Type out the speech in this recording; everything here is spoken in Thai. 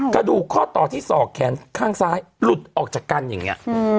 กระดูกข้อต่อที่ศอกแขนข้างซ้ายหลุดออกจากกันอย่างนี้